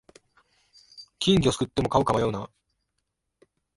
金魚すくっても飼うか迷うな